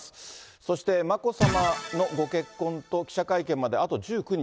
そして、眞子さまのご結婚と記者会見まであと１９日。